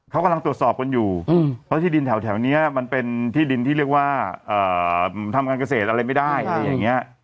เขากำลังตรวจสอบกันอยู่เพราะที่ดินแถวนี้มันเป็นที่ดินที่เรียกว่าทำการเกษตรอะไรไม่ได้อะไรอย่างนี้